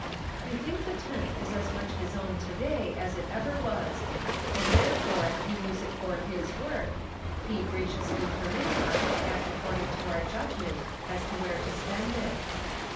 We think the tenth is as much his own to day as it ever was, and therefore we use it for his work, he graciously permitting us to act according to our judgment as to where to spend it."